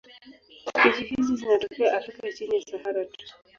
Spishi hizi zinatokea Afrika chini ya Sahara tu.